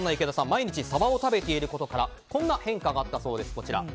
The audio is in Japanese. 毎日サバを食べていることからこんな変化があったそうです。